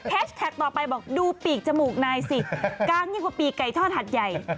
แฮชแทคต่อไปดูปีกจมูกนายสิกางนิดกว่าปีกไก่ท่อนฮัดใหญ่